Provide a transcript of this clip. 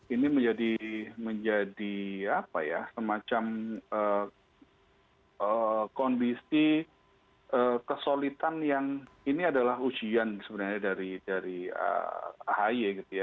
ini menjadi semacam kondisi kesolidan yang ini adalah ujian sebenarnya dari ahi